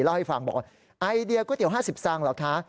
เล่าให้ฟังบอกว่าไอเดียก๋วยเตี๋ย๕๐สตางค์เหรอคะ